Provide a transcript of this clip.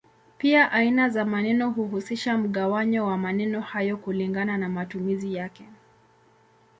Pia aina za maneno huhusisha mgawanyo wa maneno hayo kulingana na matumizi yake.